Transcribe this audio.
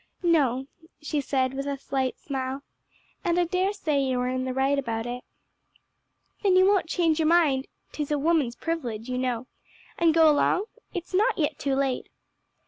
"No," she said, with a slight smile, "and I daresay you are in the right about it." "Then you won't change your mind ('tis a woman's privilege, you know) and go along? It's not yet too late."